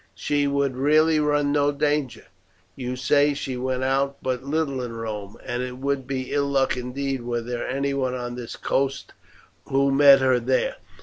She would really run no danger. You say she went out but little in Rome, and it would be ill luck indeed were there anyone on this coast who met her there.